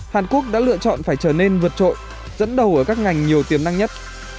hàn quốc đã lựa chọn phải trở nên vượt trội dẫn đầu ở các ngành nhiều tiềm năng nhất